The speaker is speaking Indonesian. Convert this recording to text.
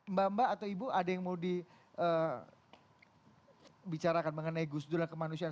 mbak mbak atau ibu ada yang mau dibicarakan mengenai gus dur dan kemanusiaan